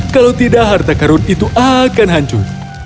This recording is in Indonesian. kalau tidak harta karun itu akan hancur